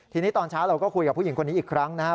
ทีนี้ตอนเช้าเราก็คุยกับผู้หญิงคนนี้อีกครั้งนะครับ